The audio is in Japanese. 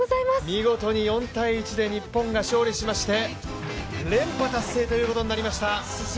見事に４−１で日本が勝利しまして連覇達成ということになりました。